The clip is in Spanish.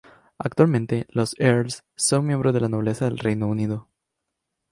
Actualmente, los "earls" son miembros de la nobleza del Reino Unido.